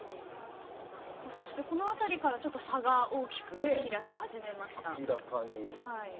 そして、この辺りから差が大きく開き始めました。